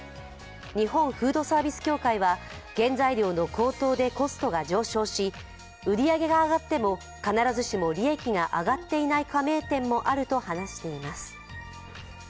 日本フードサービス協会は原材料の高騰でコストが上昇し売り上げが上がっても、必ずしも利益が上がっていない加盟店もあると話しています。